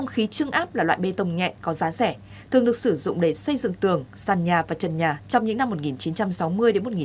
khí trưng áp là loại bê tông nhẹ có giá rẻ thường được sử dụng để xây dựng tường sàn nhà và trần nhà trong những năm một nghìn chín trăm sáu mươi một nghìn chín trăm bảy mươi